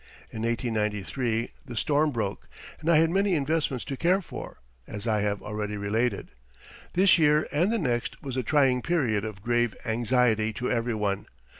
In 1893 the storm broke, and I had many investments to care for, as I have already related. This year and the next was a trying period of grave anxiety to everyone.